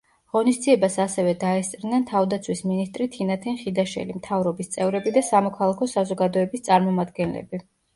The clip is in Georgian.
ღონისძიებას ასევე დაესწრნენ თავდაცვის მინისტრი თინათინ ხიდაშელი, მთავრობის წევრები და სამოქალაქო საზოგადოების წარმომადგენლები.